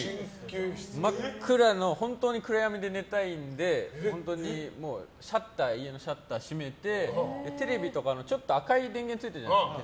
真っ暗な本当に暗闇で寝たいんで家のシャッター閉めてテレビとかのちょっと赤い電源ついてるじゃないですか。